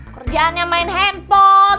kerjaannya main handphone